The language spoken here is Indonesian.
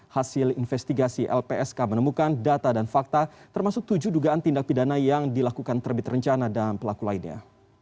hasil investigasi lpsk menemukan data dan fakta termasuk tujuh dugaan tindak pidana yang dilakukan terbit rencana dan pelaku lainnya